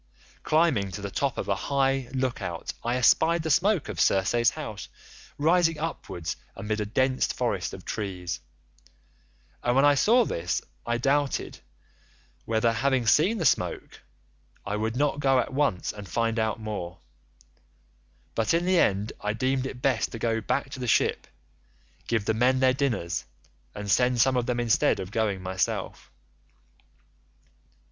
Climbing to the top of a high look out I espied the smoke of Circe's house rising upwards amid a dense forest of trees, and when I saw this I doubted whether, having seen the smoke, I would not go on at once and find out more, but in the end I deemed it best to go back to the ship, give the men their dinners, and send some of them instead of going myself.